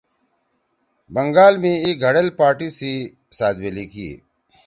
بنگال می اِی گھڑیل پارٹی سی سأدویلی کی